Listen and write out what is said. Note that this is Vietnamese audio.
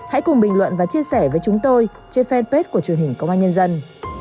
hãy cùng bình luận và chia sẻ với chúng tôi trên fanpage của truyền hình công an nhân dân